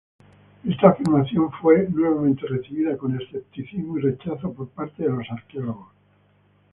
Esta afirmación fue nuevamente recibida con escepticismo y rechazo por parte de los arqueólogos.